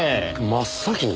真っ先に？